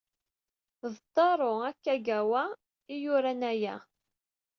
D Taro Akagawa ay yuran aya.